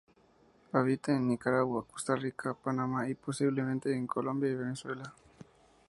Habita en Nicaragua, Costa Rica, Panamá y, posiblemente, en Colombia y Venezuela.